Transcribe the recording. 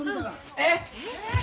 えっ！